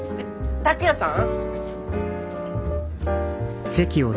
拓哉さん？